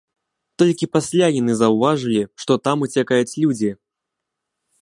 Толькі пасля яны заўважылі, што там уцякаюць людзі.